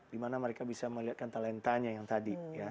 dimana mereka bisa melihatkan talentanya yang tadi